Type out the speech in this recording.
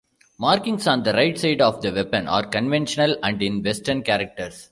Markings on the right side of the weapon are conventional and in western characters.